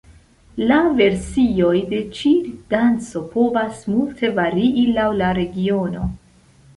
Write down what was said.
La versioj de ĉi danco povas multe varii laŭ la regiono.